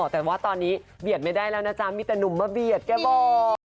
แต่ว่าตอนนี้เบียดไม่ได้แล้วนะจ๊ะมีแต่หนุ่มมาเบียดแกบอก